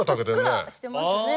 ふっくらしてますね。